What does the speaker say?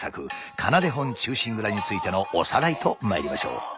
「仮名手本忠臣蔵」についてのおさらいとまいりましょう。